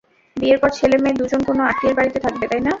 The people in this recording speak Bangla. বিয়ের পর ছেলেমেয়ে দুজন কোন আত্নীয়ের বাড়িতে থাকবে, তাই না?